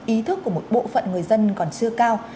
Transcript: ý thức của một bộ phận người dân còn chưa cao